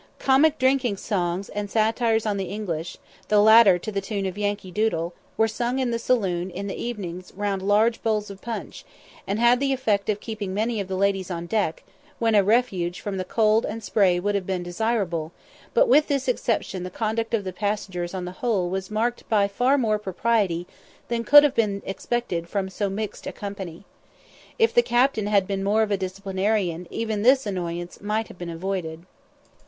Comic drinking songs, and satires on the English, the latter to the tune of 'Yankee Doodle,' were sung in the saloon in the evenings round large bowls of punch, and had the effect of keeping many of the ladies on deck, when a refuge from the cold and spray would have been desirable; but with this exception the conduct of the passengers on the whole was marked by far more propriety than could have been expected from so mixed a company. If the captain had been more of a disciplinarian, even this annoyance might have been avoided.